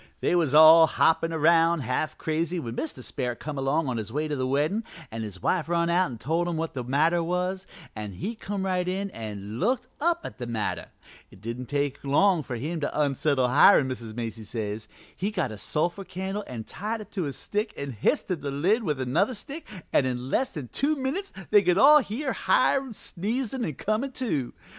"They was all hoppin' around half crazy when Mr. Sperrit come along on his way to the weddin' an' his wife run out an' told him what was the matter an' he come right in an' looked up at the matter. It didn't take long for him to unsettle Hiram, Mrs. Macy says. He got a sulphur candle an' tied it to a stick an' h'isted the lid with another stick, an' in less 'n two minutes they could all hear Hiram sneezin' an' comin' to.